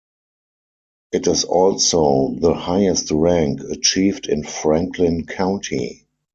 It is also the highest rank achieved in Franklin County.